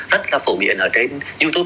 rất là phổ biến ở trên youtube